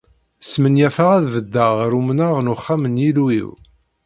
Smenyafeɣ ad beddeɣ ɣer umnar n uxxam n Yillu-iw.